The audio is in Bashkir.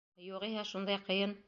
Юғиһә, шундай ҡыйын...